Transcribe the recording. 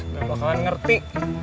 udah bakalan ngerti